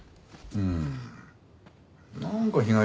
うん。